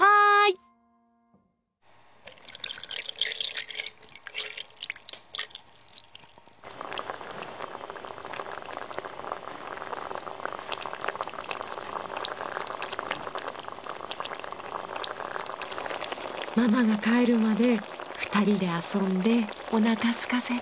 ママが帰るまで２人で遊んでおなかすかせて。